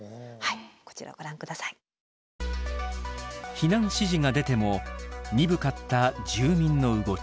避難指示が出ても鈍かった住民の動き。